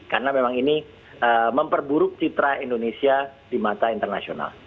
karena memang ini memperburuk citra indonesia di mata internasional